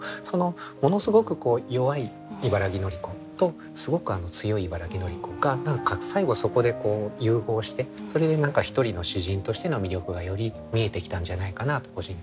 ものすごく弱い茨木のり子とすごく強い茨木のり子が最後はそこで融合してそれで何か一人の詩人としての魅力がより見えてきたんじゃないかなと個人的には思いますね。